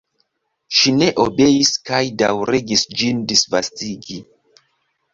Ŝi ne obeis kaj daŭrigis ĝin disvastigi.